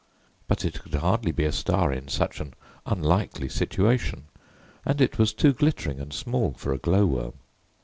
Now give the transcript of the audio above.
But it could hardly be a star in such an unlikely situation; and it was too glittering and small for a glow worm.